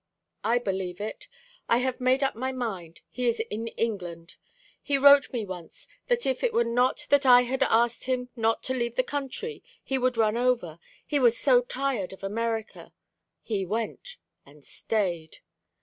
"I believe it. I have made up my mind. He is in England. He wrote me once that if it were not that I had asked him not to leave the country, he would run over, he was so tired of America. He went, and stayed."